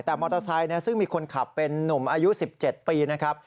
แต่มอเตอร์ไซค์ซึ่งมีคนขับเป็นนุ่มอายุ๑๗ปีนะครับ